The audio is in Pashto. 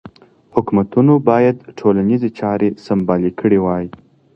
حکومتونو باید ټولنیزې چارې سمبالې کړې وای.